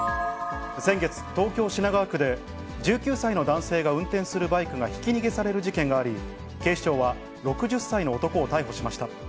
先月、東京・品川区で１９歳の男性が運転するバイクがひき逃げされる事件があり、警視庁は６０歳の男を逮捕しました。